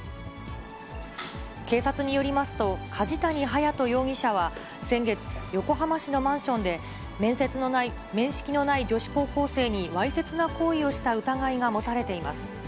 警察によりますと、梶谷隼也人容疑者は、先月、横浜市のマンションで、面識のない女子高校生にわいせつな行為をした疑いが持たれています。